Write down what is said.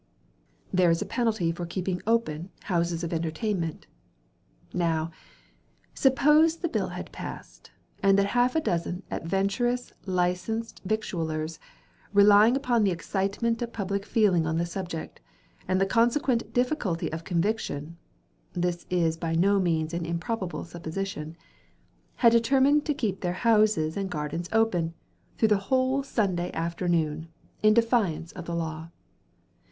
There is a penalty for keeping open, houses of entertainment. Now, suppose the bill had passed, and that half a dozen adventurous licensed victuallers, relying upon the excitement of public feeling on the subject, and the consequent difficulty of conviction (this is by no means an improbable supposition), had determined to keep their houses and gardens open, through the whole Sunday afternoon, in defiance of the law.